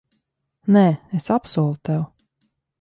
Nē, es apsolu tev.